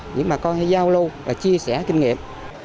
những bà con giao lưu và chia sẻ kinh nghiệm